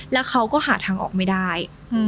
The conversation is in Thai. แล้วเขาก็หาทางออกไม่ได้